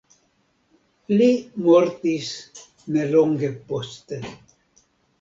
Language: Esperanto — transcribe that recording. Li mortis nelonge poste.